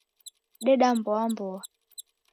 Deda mboa mboa